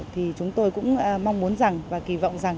thì chúng tôi cũng mong muốn rằng và kỳ vọng rằng